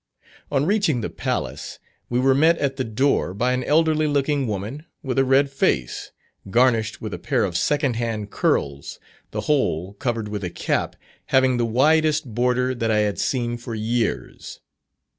On reaching the palace, we were met at the door by an elderly looking woman, with a red face, garnished with a pair of second hand curls, the whole covered with a cap having the widest border that I had seen for years.